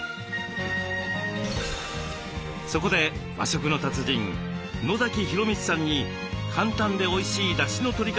そこで和食の達人野洋光さんに簡単でおいしいだしのとり方を教えて頂きます。